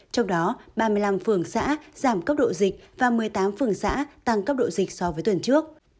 trong đó ba mươi năm phường xã giảm cấp độ dịch và một mươi tám phường xã tăng cấp độ dịch so với tuần trước